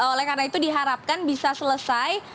oleh karena itu diharapkan bisa selesai